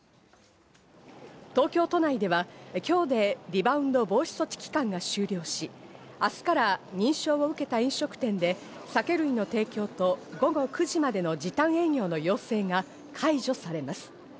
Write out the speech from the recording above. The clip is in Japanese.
東京都内では、今日でリバウンド防止措置期間が終了し、明日から認証を受けた飲食店で酒類の提供と午後９時までの時短営業の要請が解除されます。